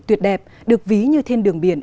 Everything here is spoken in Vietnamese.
tuyệt đẹp được ví như thiên đường biển